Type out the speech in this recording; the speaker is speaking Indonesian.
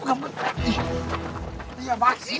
iya apaan sih